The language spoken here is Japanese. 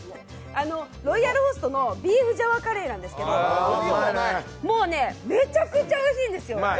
ロイヤルホストのビーフジャワカレーなんですけどもうね、めちゃくちゃおいしいんですよ。